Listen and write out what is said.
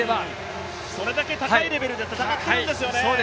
それだけ高いレベルで戦っているんですよね。